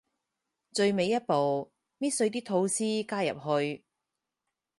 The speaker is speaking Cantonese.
最尾一步，搣碎啲吐司加入去